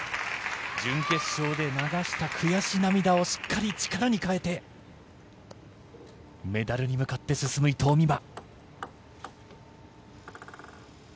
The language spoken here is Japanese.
準決勝で流した悔し涙をしっかり力に変えてメダルに向かって進む伊藤美誠。